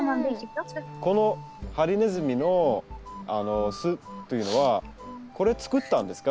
このハリネズミの巣っていうのはこれ作ったんですか？